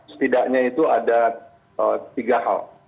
setidaknya itu ada tiga hal